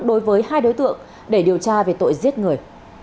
đối với hai đối tượng để điều tra về tội giết người